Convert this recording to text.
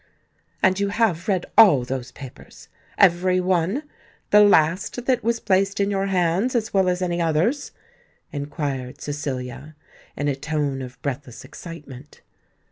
"And you have read all those papers—every one—the last that was placed in your hands, as well as any others?" inquired Cecilia, in a tone of breathless excitement.